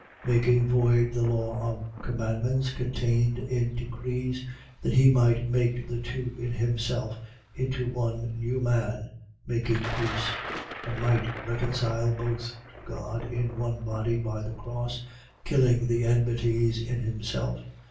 Making void the law of commandments contained in decrees: that he might make the two in himself into one new man, making peace 2:16. And might reconcile both to God in one body by the cross, killing the enmities in himself.